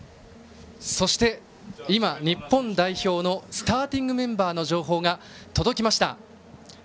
そして、今日本代表のスターティングメンバーの情報が届きました。